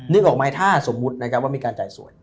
นึกออกไหมถ้าสมมุตินะครับว่ามีการจ่ายสวย